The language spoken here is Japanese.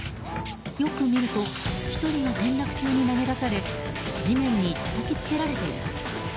よく見ると１人が転落中に投げ出され地面にたたきつけられています。